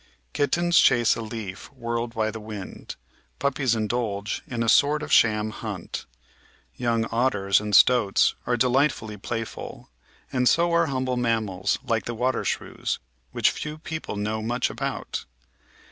Kittens chase a leaf whirled by the wind; puppies indulge in a sort of sham hunt ; young otters and stoats VOL. II — 13 4dO The Outline of Science are delightfully playful, and so are humble mammals like the water shrews, which few people know much about.